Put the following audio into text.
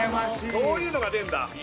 こういうのが出んだ